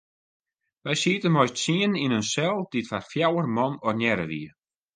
Wy sieten mei ús tsienen yn in sel dy't foar fjouwer man ornearre wie.